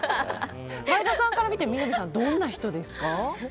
前田さんから見て南さんはどんな人ですか？